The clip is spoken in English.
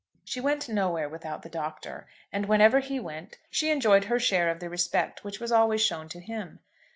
She went nowhere without the Doctor, and whenever he went she enjoyed her share of the respect which was always shown to him.